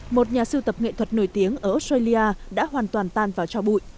một nhà sưu tập nghệ thuật nổi tiếng ở australia đã hoàn toàn tan vào cho bụi